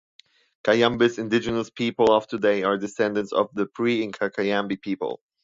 Cayambe's indigenous people of today are descendants of the pre-Inca Kayambi people.